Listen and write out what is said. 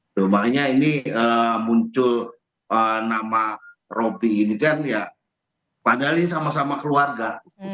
domainnya ini muncul nama roby ini kan ya padahal ini sama sama keluarga